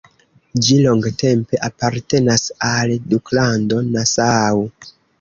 Ĝi longtempe apartenas al Duklando Nassau.